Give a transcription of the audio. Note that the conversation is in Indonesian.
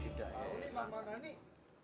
jangan suka mempita orang